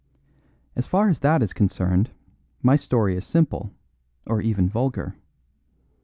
As far as that is concerned, my story is simple, or even vulgar.